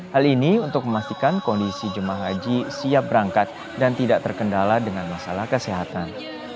hal ini untuk memastikan kondisi jemaah haji siap berangkat dan tidak terkendala dengan masalah kesehatan